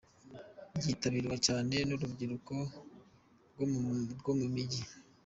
Ryitabibwa cyane n'urubyiruko rwo mu mijyi.